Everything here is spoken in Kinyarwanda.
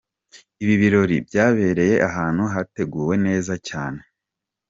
Ibi birori byabereye ahantu hateguwe neza cyane.